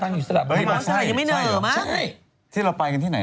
ถามอะไรนางก็ตอบหมด